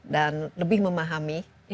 dan lebih memahami